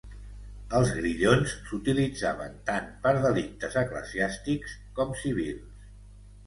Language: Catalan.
Els grillons s'utilitzaven tant per delictes eclesiàstics com civils.